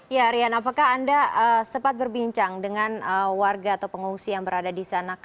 ya rian apakah anda sempat berbincang dengan warga atau pengungsi yang berada di sana